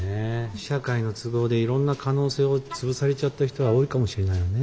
社会の都合でいろんな可能性を潰されちゃった人は多いかもしれないわね。